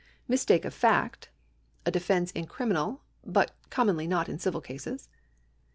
Mistake of fact. A defence in criminal but commonly not in civil cases.